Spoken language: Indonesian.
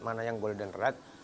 mana yang golden red